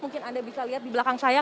mungkin anda bisa lihat di belakang saya